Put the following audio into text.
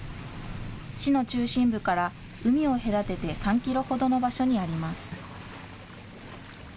市の中心部から海を隔てて３キロほどの場所にあります。